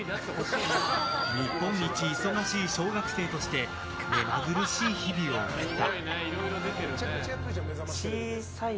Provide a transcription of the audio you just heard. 日本一忙しい小学生として目まぐるしい日々を送った。